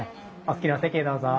お好きなお席へどうぞ。